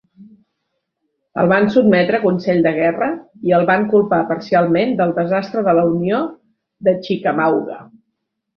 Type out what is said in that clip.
El van sotmetre a consell de guerra i el van culpar parcialment pel desastre de la Unió a Chickamauga.